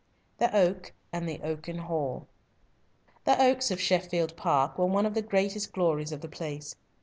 THE OAK AND THE OAKEN HALL. The oaks of Sheffield Park were one of the greatest glories of the place.